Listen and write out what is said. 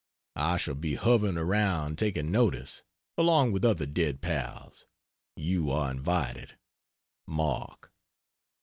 I shall be hovering around taking notice, along with other dead pals. You are invited. MARK.